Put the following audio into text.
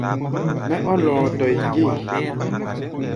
Mɛ́ ɔ́ lɔɔtɔɛ gée.